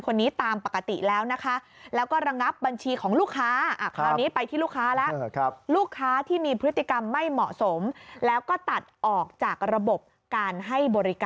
คนนี้ตามปกติแล้วนะคะแล้วก็ระงับบัญชีของลูกค้า